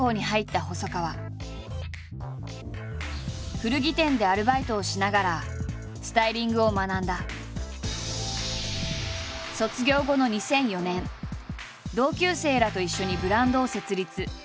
古着店でアルバイトをしながら卒業後の２００４年同級生らと一緒にブランドを設立。